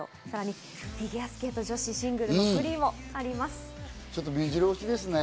さらにフィギュアスケート女子シングルフリーもあります。